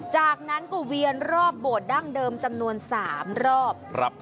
จากนั้นก็เวียนรอบโบสถดั้งเดิมจำนวน๓รอบ